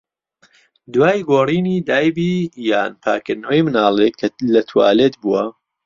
دوای گۆڕینی دایبی یان پاکردنەوەی مناڵێک کە لە توالێت بووە.